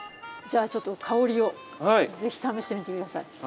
じゃあちょっと香りを是非試してみて下さい。